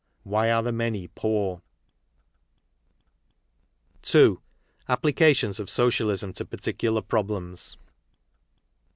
Why are the Many PoorP II. — Applications of Socialism to Particular Problems.